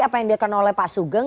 apa yang dilakukan oleh pak sugeng